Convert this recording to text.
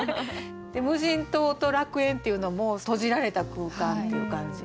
「無人島」と「楽園」っていうのも閉じられた空間っていう感じ。